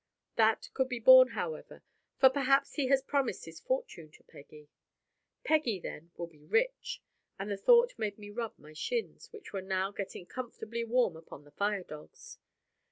That could be borne, however; for perhaps he has promised his fortune to Peggy. Peggy, then, will be rich (and the thought made me rub my shins, which were now getting comfortably warm upon the fire dogs).